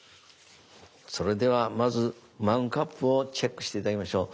それではまずマグカップをチェックして頂きましょう。